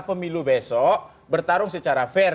pemilu besok bertarung secara fair